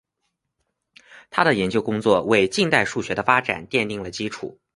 他的研究工作为近代数学的发展奠定了基础。